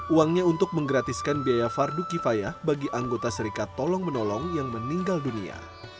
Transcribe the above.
uangnya untuk menggratiskan biaya fardu kifaya bagi anggota serikat tolong menolong yang meninggal dunia